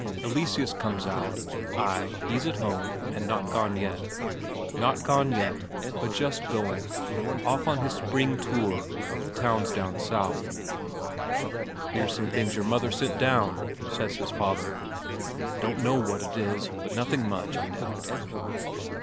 Eleseus comes out. Ay, he's at home; not gone yet, but just going off on his spring tour of the towns down south. "Here's some things your mother sent down," says his father. "Don't know what it is, but nothing much, I doubt."